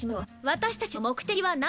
私たちの目的は何？